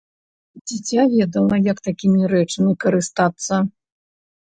Дзіця ведала, як такімі рэчамі карыстацца.